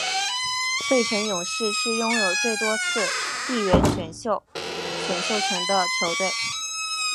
费城勇士是拥有最多次地缘选秀选秀权的球队。